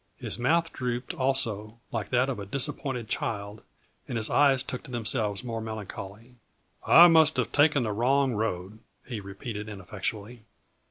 His mouth drooped, also, like that of a disappointed child, and his eyes took to themselves more melancholy. "I must have taken the wrong road," he repeated ineffectually.